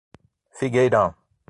Figueirão